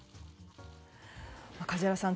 梶原さん